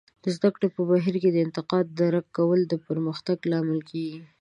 د زده کړې په بهیر کې د انتقاد درک کول د پرمختګ لامل کیږي.